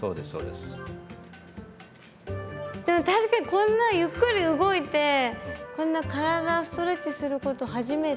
でも確かにこんなゆっくり動いてこんな体ストレッチすること初めて。